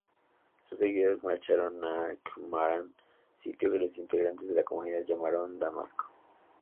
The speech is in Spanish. Sus seguidores marcharon a Qumrán, sitio que los integrantes de la comunidad llamaron Damasco.